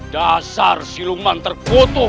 dasar siluman terkutuk